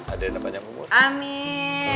adriana banyak umur amin